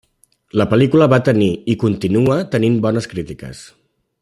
La pel·lícula va tenir i continua tenint bones crítiques.